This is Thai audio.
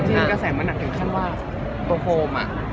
ที่กระแสมันคือแค่ว่าตัวโฟมอ่ะ